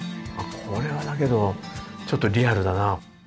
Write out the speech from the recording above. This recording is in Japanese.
これは、だけどちょっとリアルだな。